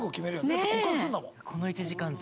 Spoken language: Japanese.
だって告白するんだもん。